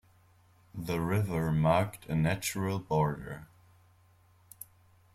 The river marked a natural border.